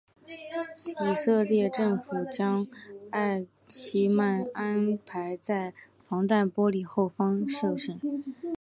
以色列政府将艾希曼安排在防弹玻璃后方受审。